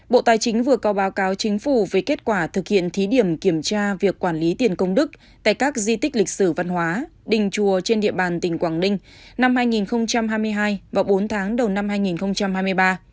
bộ tài chính vừa có báo cáo chính phủ về kết quả thực hiện thí điểm kiểm tra việc quản lý tiền công đức tại các di tích lịch sử văn hóa đình chùa trên địa bàn tỉnh quảng ninh năm hai nghìn hai mươi hai và bốn tháng đầu năm hai nghìn hai mươi ba